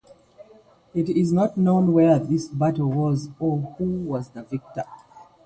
It is not known where this battle was, or who was the victor.